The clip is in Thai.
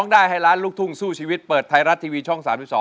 ได้ให้ล้านลูกทุ่งสู้ชีวิตเปิดไทยรัฐทีวีช่อง๓๒